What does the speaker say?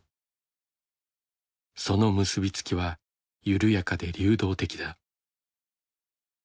その結び付きは緩やかで流動的だ。